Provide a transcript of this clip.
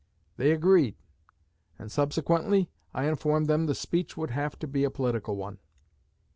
They agreed; and subsequently I informed them the speech would have to be a political one.